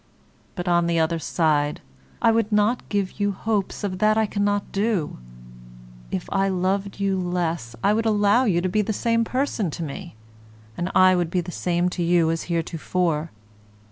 But, on the other side, I would not give you hopes of that I cannot do. If I loved you less I would allow you to be the same person to me, and I would be the same to you as heretofore.